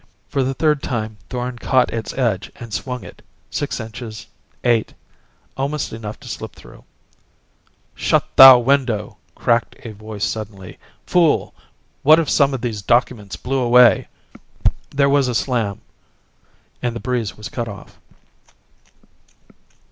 For the third time Thorn caught its edge and swung it six inches, eight, almost enough to slip through.... "Shut thou the window!" crackled a voice suddenly. "Fool! What if some of these documents blew away?" There was a slam, and the breeze was cut off.